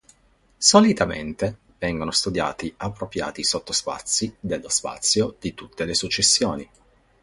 Solitamente, vengono studiati appropriati sottospazi dello spazio di tutte le successioni.